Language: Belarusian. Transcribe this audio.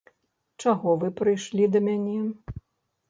Чаго вы прыйшлі да мяне?